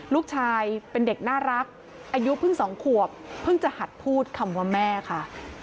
ลูกชายเป็นเด็กน่ารักอายุเพิ่ง๒ขวบเพิ่งจะหัดพูดคำว่าแม่ค่ะ